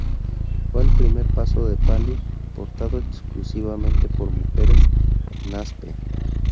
Fue el primer Paso de Palio portado exclusivamente por mujeres, en Aspe.